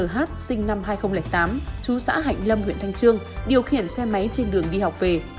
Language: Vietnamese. một mươi một h ba mươi tám chú xã hạnh lâm huyện thanh trương điều khiển xe máy trên đường đi học về